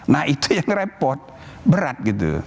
nah itu yang repot berat gitu